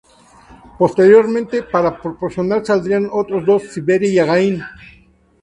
Posteriormente para promocionar saldrían otros dos, "Siberia" y "Again".